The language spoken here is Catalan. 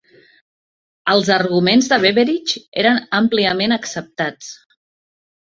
Els arguments de Beveridge eren àmpliament acceptats.